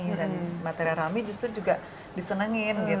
dan materi rami justru juga disenangkan